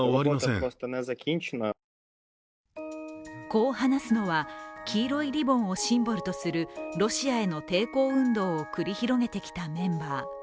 こう話すのは、黄色いリボンをシンボルとするロシアへの抵抗運動を繰り広げてきたメンバー。